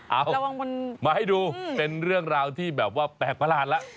เอาระวังมาให้ดูเป็นเรื่องราวที่แบบว่าแปลกประหลาดแล้ว